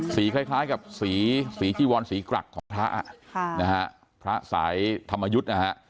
สีคล้ายกับสีที่วรศีกหลักของพระพระศัยธรรมยุษย์